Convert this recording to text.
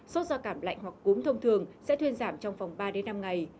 sốt do cảm lạnh hoặc cúm thông thường sẽ thuyên giảm trong vòng ba năm ngày